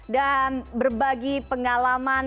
dan berbagi pengalaman